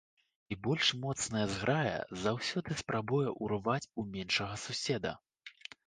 І больш моцная зграя заўсёды спрабуе ўрваць у меншага суседа.